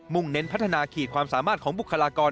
เน้นพัฒนาขีดความสามารถของบุคลากร